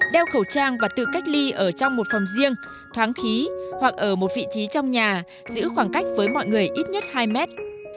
hai đeo khẩu trang và tự cách ly ở trong một phòng riêng thoáng khí hoặc ở một vị trí trong nhà giữ khoảng cách với mọi người ít nhất hai mét